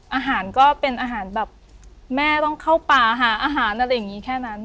อาหารก็เป็นอาหารแบบแม่ต้องเข้าป่าหาอาหารอะไรอย่างนี้แค่นั้น